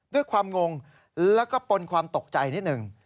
ด้วยความงงและปนความตกใจนิดหนึ่ง